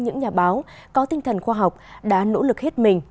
những nhà báo có tinh thần khoa học đã nỗ lực hết mình